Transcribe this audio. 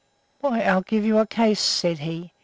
"Why, I'll give you a case," said he.